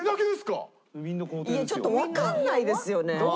ちょっとわかんないですよね。